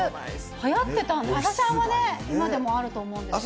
はやってたんですね、朝シャンは今でもあると思うんですけど。